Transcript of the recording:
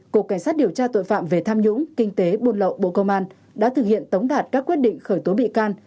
cục cảnh sát điều tra tội phạm về tham nhũng kinh tế buôn lậu bộ công an đã thực hiện tống đạt các quyết định khởi tố bị can